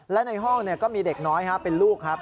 และในห้องก็มีเด็กน้อยเป็นลูกครับ